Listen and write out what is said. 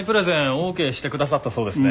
オーケーしてくださったそうですね。